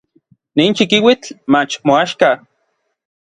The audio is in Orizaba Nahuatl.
Nin chikiuitl mach moaxka.